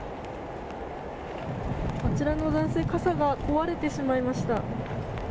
あちらの男性傘が壊れてしまいました。